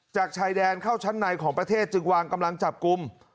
ชายแดนเข้าชั้นในของประเทศจึงวางกำลังจับกลุ่ม